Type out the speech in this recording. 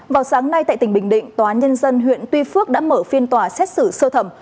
vào sáng nay tại tỉnh bình định tòa nhân dân huyện tuy phước đã mở phiên tòa xét xử sơ thẩm